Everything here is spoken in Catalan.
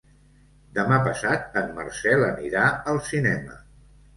Demà passat en Marcel anirà al cinema.